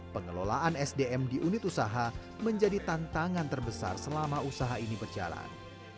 pengelolaan sdm di unit usaha menjadi tantangan terbesar selama usaha ini berjalan